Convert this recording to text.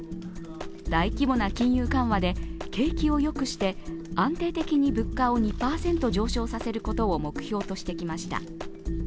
大規模な金融緩和で景気をよくして安定的に物価を２％上昇させることを目標としてきました。